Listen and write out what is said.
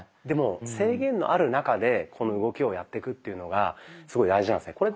でも制限のある中でこの動きをやってくっていうのがすごい大事なんですね。